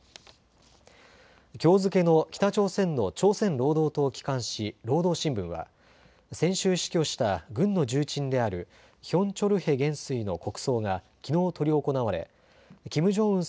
きょう付けの北朝鮮の朝鮮労働党機関紙、労働新聞は先週死去した軍の重鎮であるヒョン・チョルヘ元帥の国葬がきのう執り行われキム・ジョンウン